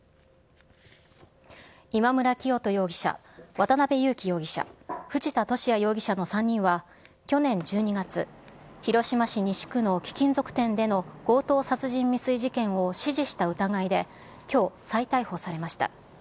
今村磨人容疑者、渡辺優樹容疑者、藤田聖也容疑者の３人は、去年１２月、広島市西区の貴金属店での強盗殺人未遂事件を指示した疑いで、きょう、再逮捕されました。